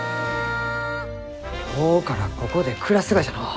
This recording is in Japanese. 今日からここで暮らすがじゃのう。